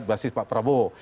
basis pak prabowo